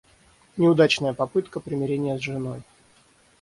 Неудачная попытка примирения с женой.